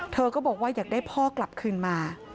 เธอก็บอกว่าอยากได้พ่อกลับคืนมา